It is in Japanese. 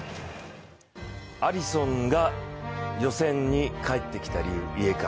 アリソンが予選に家から帰ってきた理由。